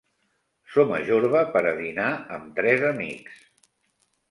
Som a Jorba per a dinar amb tres amics.